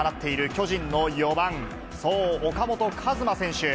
巨人の４番、そう、岡本和真選手。